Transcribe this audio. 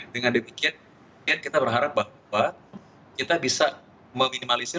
dengan demikian kita berharap bahwa kita bisa meminimalisir